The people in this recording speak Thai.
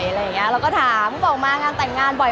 มันเป็นเรื่องน่ารักที่เวลาเจอกันเราต้องแซวอะไรอย่างเงี้ย